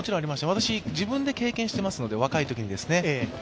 私、自分で経験していますので、若いときに。